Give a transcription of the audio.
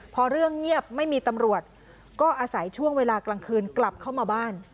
พอเรื่องเงียบไม่มีตำรวจก็อาศัยช่วงเวลากลางคืนกลับเข้ามาบ้าน